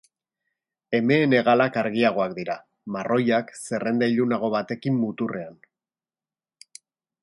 Emeen hegalak argiagoak dira, marroiak, zerrenda ilunago batekin muturrean.